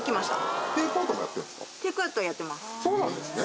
そうなんですね？